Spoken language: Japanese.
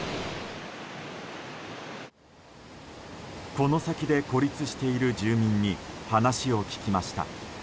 この先で孤立している住民に話を聞きました。